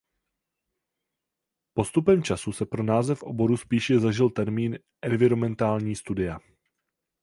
Postupem času se pro název oboru spíše zažil termín Environmentální studia.